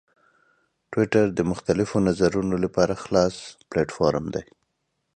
ټویټر د مختلفو نظرونو لپاره خلاص پلیټفارم دی.